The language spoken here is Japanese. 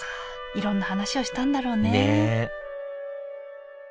いろんな話をしたんだろうねねえ